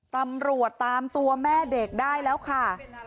ตำรวจตามตัวแม่เด็กได้แล้วค่ะ